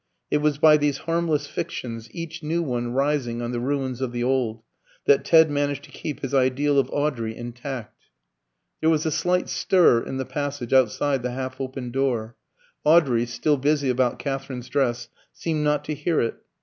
It was by these harmless fictions, each new one rising on the ruins of the old, that Ted managed to keep his ideal of Audrey intact. There was a slight stir in the passage outside the half open door. Audrey, still busy about Katherine's dress, seemed not to hear it.